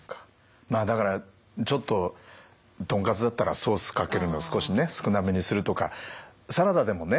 まあだからちょっと豚カツだったらソースかけるの少し少なめにするとかサラダでもね